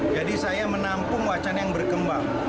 jadi saya menampung wacana yang berkembang